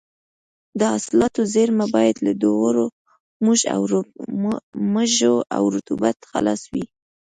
د حاصلاتو زېرمه باید له دوړو، مږو او رطوبت خلاصه وي.